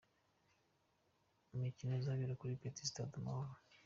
Imikino izabera kuri Petit Stade Amahoro.